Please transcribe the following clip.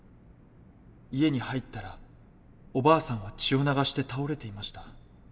家に入ったらおばあさんは血を流して倒れていました。